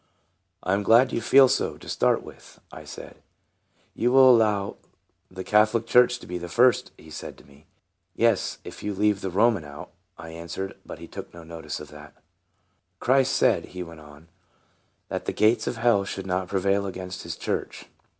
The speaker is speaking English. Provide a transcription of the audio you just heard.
" I am glad you feel so, to start with," I said. WORD OJ< TESTIMONY. 67 " You will allow the Catholic church to be the first," he said to me. " Yes, if you leave the Roman out," I an swered. But he took no notice of that. " Christ said," he went on, " that the gates of hell should not prevail against his church.